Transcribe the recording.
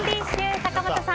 坂本さん